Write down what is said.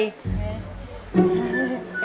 เหอ